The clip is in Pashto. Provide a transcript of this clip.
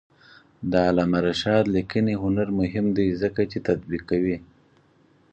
د علامه رشاد لیکنی هنر مهم دی ځکه چې تطبیق کوي.